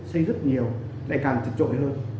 xây rất nhiều lại càng trật trội hơn